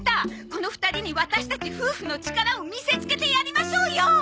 この２人にワタシたち夫婦の力を見せつけてやりましょうよ！